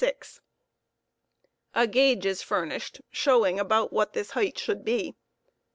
] A gauge is furnished, showing about what this height should be.